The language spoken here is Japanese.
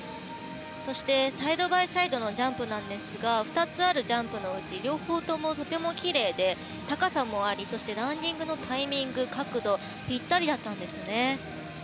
そしてサイドバイサイドのジャンプなんですが２つあるジャンプのうち両方とも、とてもきれいで高さもあり、ランディングのタイミング、角度ぴったりだったんですね。